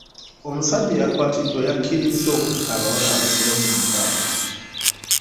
Omusajja eyakwatiddwa yakkirizza okutta abawala abasoba mu mukaaga.